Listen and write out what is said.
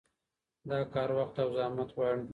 دا کار وخت او زحمت غواړي.